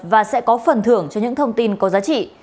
và sẽ có phần thưởng cho những thông tin có giá trị